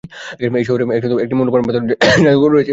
এই শহরে একটি মূল্যবান পাথরের জাদুঘর রয়েছে।